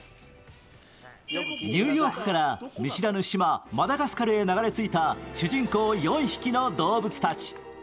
ニューヨークから見知らぬ島マダガスカルに流れ着いた主人公４匹の動物たち。